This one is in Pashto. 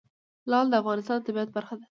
لعل د افغانستان د طبیعت برخه ده.